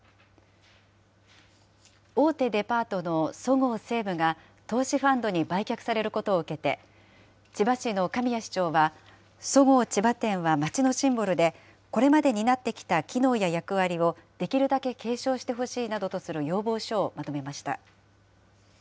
大手デパートのそごう・西武が投資ファンドに売却されることを受けて、千葉市の神谷市長は、そごう千葉店はまちのシンボルで、これまで担ってきた機能や役割をできるだけ継承してほしいなどとする要望書をまとめました。